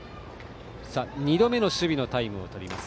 ２度目の守備のタイムをとります。